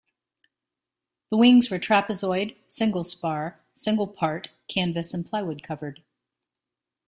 The wings were trapezoid, single-spar, single part, canvas and plywood covered.